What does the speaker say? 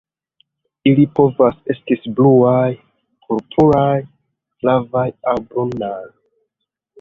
Ili povas estis bluaj, purpuraj, flavaj aŭ brunaj.